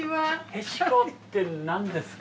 へしこって何ですか？